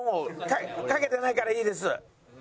かけてないからいいです。